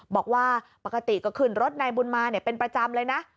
บอกว่าปกติก็ขึ้นรถนายบุญมาเป็นประจำเลยนะ